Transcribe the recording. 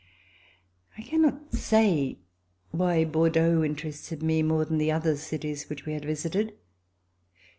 I cannot say why Bordeaux interested me more than the other cities which we had visited.